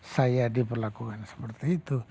saya diperlakukan seperti itu